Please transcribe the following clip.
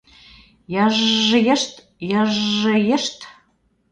Йыж-ж-йышт, йыж-ж-йышт!